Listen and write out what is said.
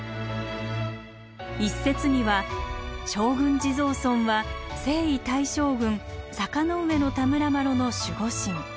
一説には将軍地蔵尊は征夷大将軍坂上田村麻呂の守護神。